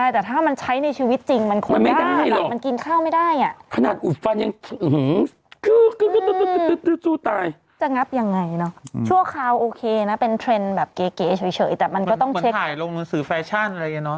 แต่มันก็ต้องเช็คมันหายลงหนังสือแฟชั่นอะไรอย่างนี้เนอะอืม